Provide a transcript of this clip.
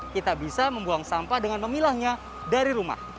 kita bisa membuang sampah dengan memilahnya dari rumah